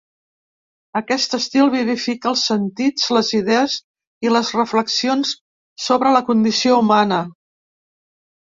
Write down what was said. Aquest estil vivifica els sentits, les idees, i les reflexions sobre la condició humana.